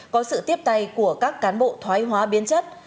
có sự tiếp tay của các cán bộ thoái hóa biến chất